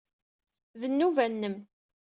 D nnuba-nnem.